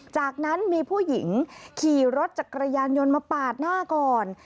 จากนั้นมีผู้หญิงขี่รถจักรยานยนต์มาปาดหน้าก่อน